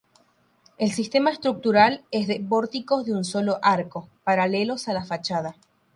El sistema estructural es de pórticos de un solo arco, paralelos a la fachada.